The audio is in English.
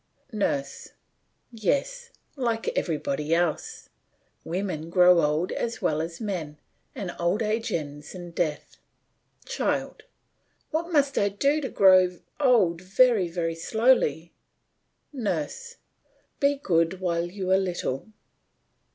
NURSE: Yes, like everybody else. Women grow old as well as men, and old age ends in death. CHILD: What must I do to grow old very, very slowly? NURSE: Be good while you are little.